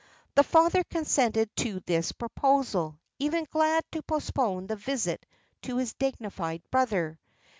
The father consented to this proposal, even glad to postpone the visit to his dignified brother.